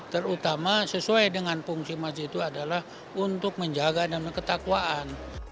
terutama sesuai dengan fungsi masjid itu adalah untuk menjaga dan ketakwaan